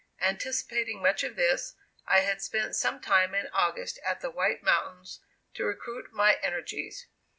Anticipating much of this, I had spent some time in August at the White Mountains to recruit my energies.